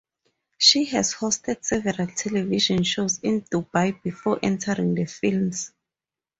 She has hosted several television shows in Dubai before entering the films.